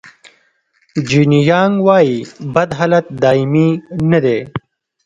جیني یانګ وایي بد حالت دایمي نه دی.